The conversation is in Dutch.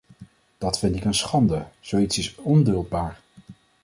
Dat vind ik een schande; zoiets is onduldbaar.